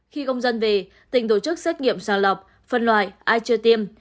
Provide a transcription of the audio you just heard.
khi công dân về tỉnh tổ chức xét nghiệm sàng lọc phân loại ai chưa tiêm